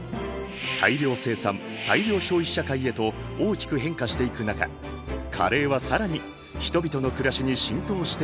大量生産大量消費社会へと大きく変化していく中カレーは更に人々の暮らしに浸透していった。